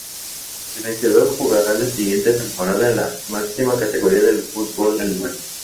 El vencedor jugará la siguiente temporada en la máxima categoría del fútbol alemán.